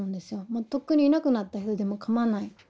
もうとっくにいなくなった人でも構わない。